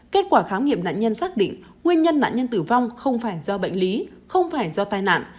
kết quả khám nghiệm nạn nhân xác định nguyên nhân nạn nhân tử vong không phải do bệnh lý không phải do tai nạn